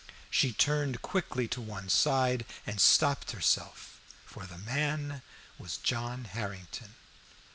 She turned quickly to one side and stopped herself, for the man was John Harrington.